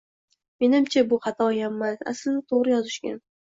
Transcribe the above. Menimcha, bu xatoyammas, aslida, toʻgʻri yozishgan.